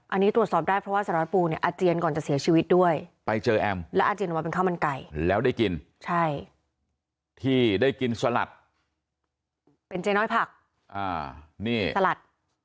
อันนี้ตรวจสอบได้เพราะว่าสารวัตรปูเนี่ยอาเจียนก่อนจะเสียชีวิตด้วยไปเจอแอมแล้วอาเจียนออกมาเป็นข้าวมันไก่แล้วได้กินใช่ที่ได้กินสลัดเป็นเจ๊น้อยผักนี่สลัด